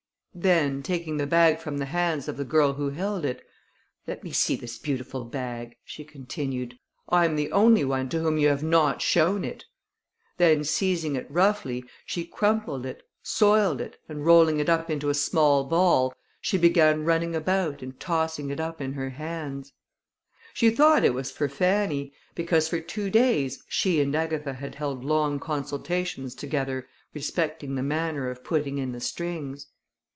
Then, taking the bag from the hands of the girl who held it, "Let me see this beautiful bag," she continued, "I am the only one to whom you have not shown it!" then seizing it roughly, she crumpled it, soiled it, and rolling it up into a little ball, she began running about and tossing it up in her hands. She thought it was for Fanny, because for two days she and Agatha had held long consultations together respecting the manner of putting in the strings.